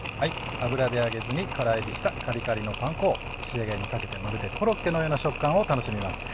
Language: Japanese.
油で揚げずに空炒りしたカリカリのパン粉を仕上げにかけてまるでコロッケのような食感を楽しみます。